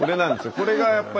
これがやっぱり。